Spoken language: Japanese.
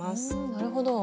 なるほど。